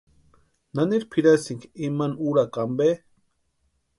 ¿Naniri pʼiraski imani úrakwa ampe?